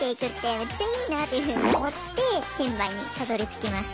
めっちゃいいなっていうふうに思って転売にたどりつきました。